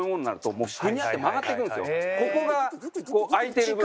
ここがこう開いてる分。